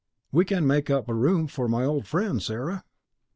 "We can make up a room for my old friend, Sarah?"